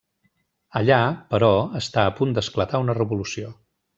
Allà, però, està a punt d'esclatar una revolució.